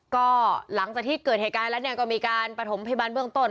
ก็หลังจากที่เกิดเหตุการณ์แล้วก็มีการประถมพยาบาลเบื้องต้น